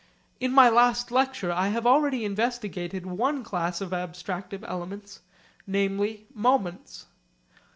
In my last lecture I have already investigated one class of abstractive elements, namely moments.